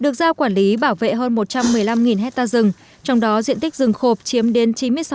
được giao quản lý bảo vệ hơn một trăm một mươi năm hectare rừng trong đó diện tích rừng khộp chiếm đến chín mươi sáu